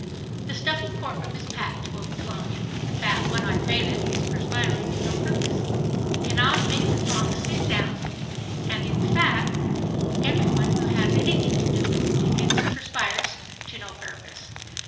The stuffy court room is packed to overflowing. The fat, one eyed bailiff is perspiring to no purpose. He cannot make the throng "sit down." In fact every one who has anything to do with the pickets perspires to no purpose.